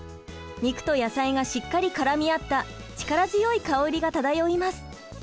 肉と野菜がしっかり絡み合った力強いかおりが漂います。